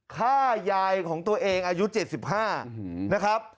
ฆ่ายายของตัวเองอายุ๗๕นะครับ